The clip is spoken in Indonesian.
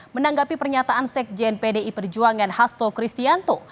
menanggapi pernyataan sekjen pdi perjuangan hasto kristianto